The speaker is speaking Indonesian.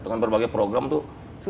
dengan berbagai program tuh